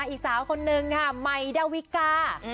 อีกสาวคนนึงค่ะใหม่ดาวิกา